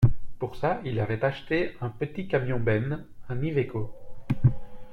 Pour ça il avait acheté un petit camion benne, un Iveco.